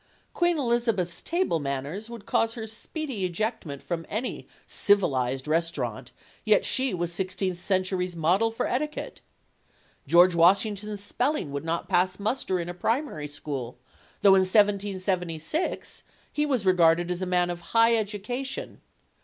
Queen Elizabeth's table manners would cause her speedy ejectment from any civilized restaurant, yet she was sixteenth century's model for etiquette. George Washington's spelling would not pass muster in a primary school, though in 1 776 he was regarded as a man of high education.